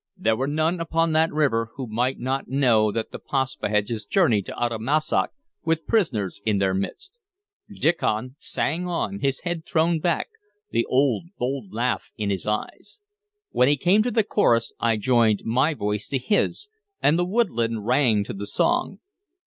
There were none upon that river who might not know that the Paspaheghs journeyed to Uttamussac with prisoners in their midst. Diccon sang on, his head thrown back, the old bold laugh in his eyes. When he came to the chorus I joined my voice to his, and the woodland rang to the song.